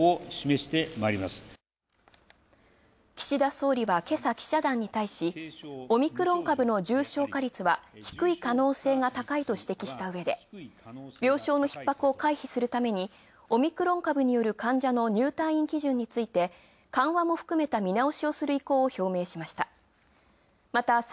岸田総理はけさ記者団に対しオミクロン株の重症化率は低い可能性が高いと指摘したうえで、病床のひっ迫を回避するために、オミクロン株による患者の入退院基準について緩和も含めた見直しをすると表明しました。